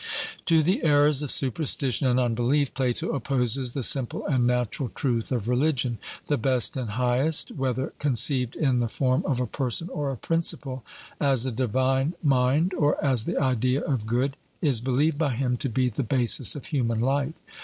To the errors of superstition and unbelief Plato opposes the simple and natural truth of religion; the best and highest, whether conceived in the form of a person or a principle as the divine mind or as the idea of good is believed by him to be the basis of human life.